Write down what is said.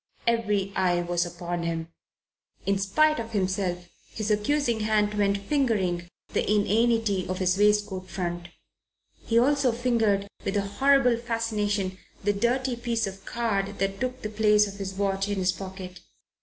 Every eye was upon him. In spite of himself, his accusing hand went fingering the inanity of his waistcoat front. He also fingered, with a horrible fascination, the dirty piece of card that took the place of his watch in his pocket.